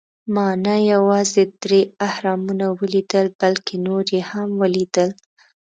ما نه یوازې درې اهرامونه ولیدل، بلکې نور یې هم ولېدل.